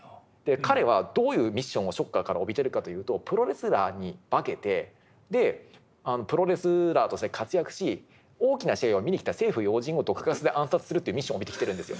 彼はどういうミッションをショッカーから帯びてるかというとプロレスラーに化けてでプロレスラーとして活躍し大きな試合を見に来た政府要人を毒ガスで暗殺するというミッションを帯びてきてるんですよ。